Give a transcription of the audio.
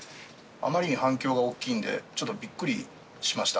あまりに反響が大きいんで、ちょっとびっくりしました。